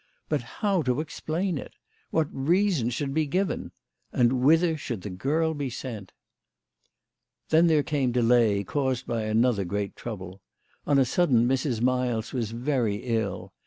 But how to explain it ? What reason should be given ? And whither should the girl be sent ? Then there came delay, caused by another great trouble. On a sudden Mrs. Miles was very ill.